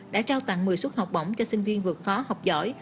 đã trao tặng một mươi suất học bổng cho sinh viên vượt khó học giỏi